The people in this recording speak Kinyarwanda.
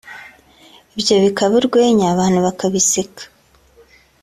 ibyo bikaba urwenya abantu bakabiseka